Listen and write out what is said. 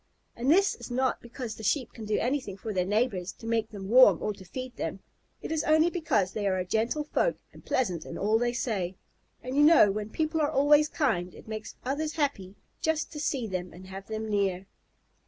And this is not because the Sheep can do anything for their neighbors to make them warm or to feed them. It is only because they are a gentle folk and pleasant in all they say; and you know when people are always kind, it makes others happy just to see them and have them near.